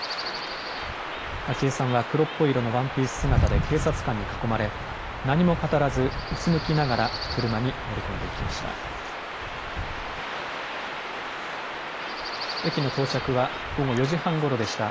昭恵さんは黒っぽい色のワンピース姿で警察官に囲まれ、何も語らず、うつむきながら車に乗り込んでいきました。